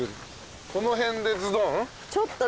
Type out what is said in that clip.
この辺でズドン？